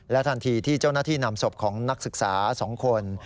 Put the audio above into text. ทันทีที่เจ้าหน้าที่นำศพของนักศึกษา๒คน